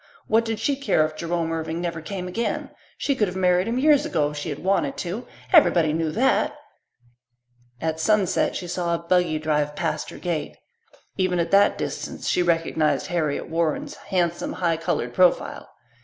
What did she care if Jerome Irving never came again? She could have married him years ago if she had wanted to everybody knew that! At sunset she saw a buggy drive past her gate. Even at that distance she recognized Harriet Warren's handsome, high coloured profile.